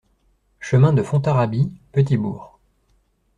Chemin de Fontarabie, Petit-Bourg